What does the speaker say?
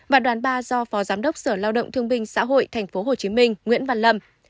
và đoàn ba do phó giám đốc sở lao động thương binh xã hội tp hcm nguyễn văn lâm